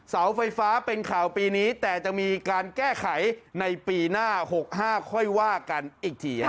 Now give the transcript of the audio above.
เสาไฟฟ้าเป็นข่าวปีนี้แต่จะมีการแก้ไขในปีหน้า๖๕ค่อยว่ากันอีกที